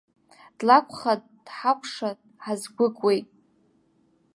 Длакәха дҳакәша-ҳазгәыкуеит.